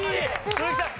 鈴木さん